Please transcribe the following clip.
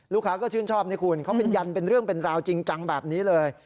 ลูกค้าก็ชื่นชอบนี่คุณเขาเป็นยันเป็นเรื่องเป็นราวจริงจังแบบนี้เลย